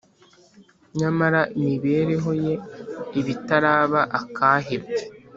nyamara imibereho ye iba itaraba akahebwe